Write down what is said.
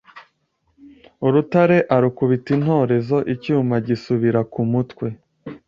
urutare arukubita intorezo icyuma gisubira ku mutwe